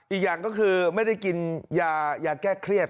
อีกอย่างก็คือไม่ได้กินยายาแก้เครียด